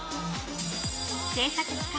制作期間